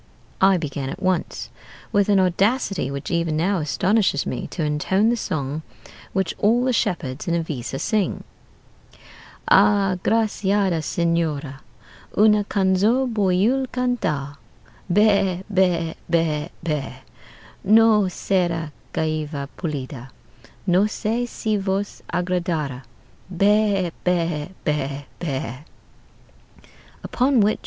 I began at once, with an audacity which even now astonishes me, to intone the song which all the shepherds in Iviza sing: Ah graciada Señora, Una canzo bouil canta, Bè bè bè bè. No sera gaiva pulida, Nosé si vos agradara, Bè bè bè bè.